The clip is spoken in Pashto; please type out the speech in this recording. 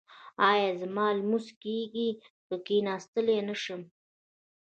ایا زما لمونځ کیږي که کیناستلی نشم؟